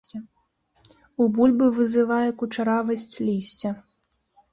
У бульбы вызывае кучаравасць лісця.